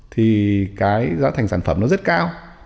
thì cái giá thành sản phẩm nó rất cao